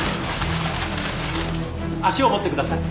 足を持ってください。